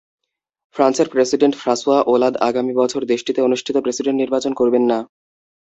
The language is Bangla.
ফ্রান্সের প্রেসিডেন্ট ফ্রাঁসোয়া ওলাঁদ আগামী বছর দেশটিতে অনুষ্ঠিত প্রেসিডেন্ট নির্বাচন করবেন না।